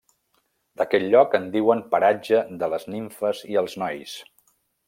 D'aquell lloc en diuen Paratge de les nimfes i els nois.